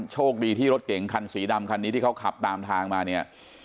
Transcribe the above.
โชคดีที่รถเก๋งคันสีดำคันนี้ที่เขาขับตามทางมาเนี่ย